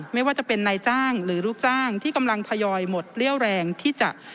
ไม่ว่าจะเป็นนายจ้างหรือลูกจ้างที่กำลังทยอยหมดเรี่ยวแรงที่จะ